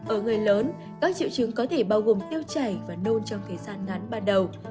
ở người lớn các triệu chứng có thể bao gồm tiêu chảy và nôn trong thời gian ngắn ban đầu